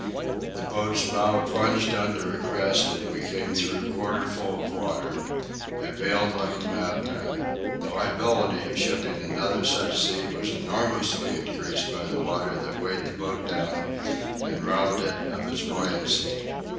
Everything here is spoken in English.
The boat's bow plunged under a crest, and we came through quarter full of water. I bailed like a madman. The liability of shipping another such sea was enormously increased by the water that weighed the boat down and robbed it of its buoyancy.